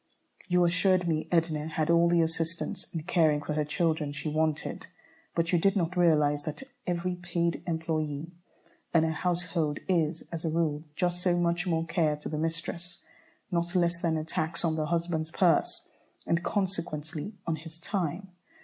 You assured me Edna had all the assistants in caring for her children she wanted, but you did not realize that every paid employé in a household is, as a rule, just so much more care to the mistress, not less than a tax on the husband's purse and, consequently, on his time.